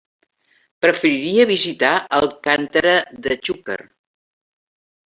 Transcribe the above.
Preferiria visitar Alcàntera de Xúquer.